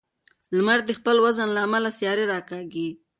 لمر د خپل وزن له امله سیارې راکاږي.